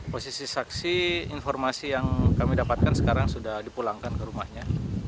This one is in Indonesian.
posisi saksi informasi yang kami dapatkan sekarang sudah dipulangkan ke rumahnya